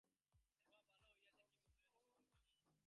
উহা ভাল হইয়াছে, কি মন্দ হইয়াছে, ভবিষ্যতে নিশ্চয়ই বুঝা যাইবে।